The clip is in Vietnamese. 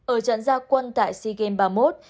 ở trận gia quân tại sea games ba mươi một